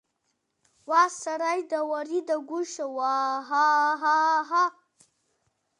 Уасараида, уарида-гәышьа, уаа-ҳа, ҳаа-ҳаа!